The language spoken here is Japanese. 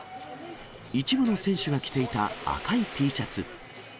一部の選手が着ていた赤いＴシャツ。